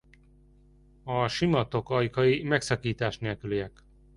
A sima tok ajkai megszakítás nélküliek.